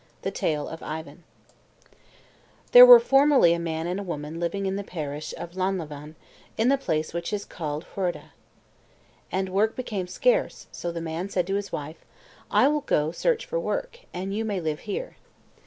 THE TALE OF IVAN There were formerly a man and a woman living in the parish of Llanlavan, in the place which is called Hwrdh. And work became scarce, so the man said to his wife, "I will go search for work, and you may live here."